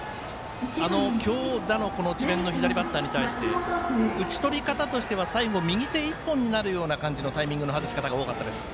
強打の智弁の左バッターに対して打ち取り方としては最後、右手１本になる形のタイミングの外し方が多かったです。